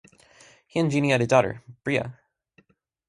He and Jeanne had a daughter, Bria.